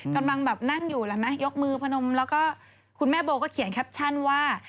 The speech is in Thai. กำลังแบบนั่งอยู่แล้วไหมยกมือพนมแล้วก็คุณแม่โบก็เขียนแคปชั่นว่า